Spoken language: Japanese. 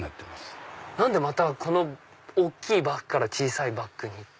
何でまたこの大きいバッグから小さいバッグに？